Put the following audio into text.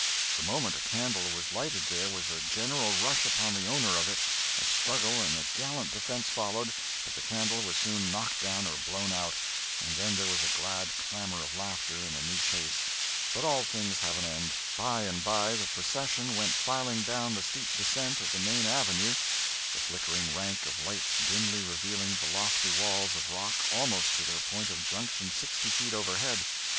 The moment a candle was lighted there was a general rush upon the owner of it; a struggle and a gallant defence followed, but the candle was soon knocked down or blown out, and then there was a glad clamor of laughter and a new chase. But all things have an end. By and by the procession went filing down the steep descent of the main avenue, the flickering rank of lights dimly revealing the lofty walls of rock almost to their point of junction sixty feet overhead.